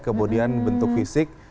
kemudian bentuk fisik